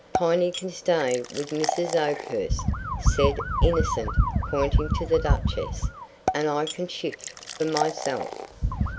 "Piney can stay with Mrs. Oakhurst," said the Innocent, pointing to the Duchess, "and I can shift for myself."